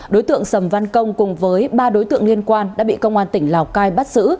đối tượng sầm văn công cùng với ba đối tượng liên quan đã bị công an tỉnh lào cai bắt giữ